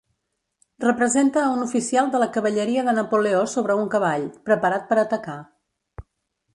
Representa a un oficial de la cavalleria de Napoleó sobre un cavall, preparat per atacar.